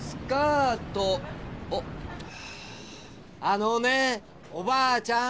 あのねおばあちゃん！